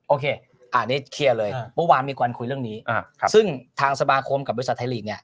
โอเคอันนี้เคลียร์เลยเมื่อวานมีการคุยเรื่องนี้ซึ่งทางสมาคมกับบริษัทไทยลีกเนี่ย